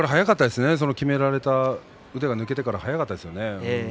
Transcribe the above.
きめられた腕が抜けてから早かったですね。